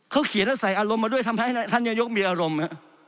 เขาเขียนแล้วใส่อารมณ์มาด้วยทำให้ท่านนายกมีอารมณ์